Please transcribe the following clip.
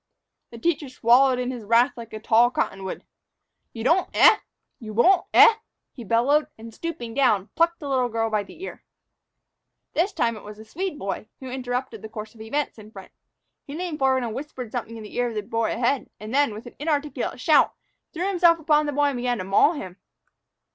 The teacher swayed in his wrath like a tall cottonwood. "You don't, eh? You won't, eh?" he bellowed, and, stooping down, plucked the little girl by the ear. This time it was the Swede boy who interrupted the course of events in front. He leaned forward and whispered something into the ear of the boy ahead, and then, with an inarticulate shout, threw himself upon the boy and began to maul him.